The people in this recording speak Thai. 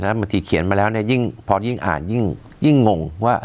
บางทีเขียนมาแล้วเนี่ยยิ่งพอยิ่งอ่านยิ่งงงว่า